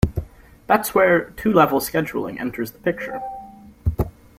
That is where two-level scheduling enters the picture.